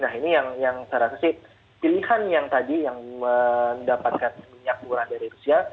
nah ini yang saya rasa sih pilihan yang tadi yang mendapatkan minyak murah dari rusia